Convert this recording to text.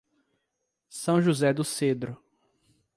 São José do Cedro